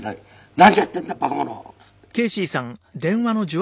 「何やってんだ馬鹿者！」